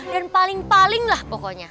dan paling paling lah pokoknya